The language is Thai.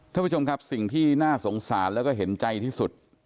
ท่านผู้ชมครับสิ่งที่น่าสงสารแล้วก็เห็นใจที่สุด